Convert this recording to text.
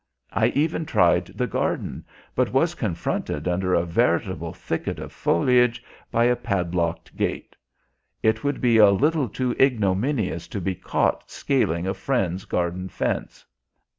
I even tried the garden, but was confronted under a veritable thicket of foliage by a padlocked gate. It would be a little too ignominious to be caught scaling a friend's garden fence!